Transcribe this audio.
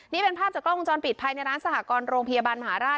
นี่เป็นภาพจากกล้องวงจรปิดภายในร้านสหกรโรงพยาบาลมหาราช